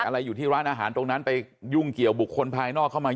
อยู่ที่ร้านอาหารตรงนั้นไปยุ่งเกี่ยวบุคคลภายนอกเข้ามา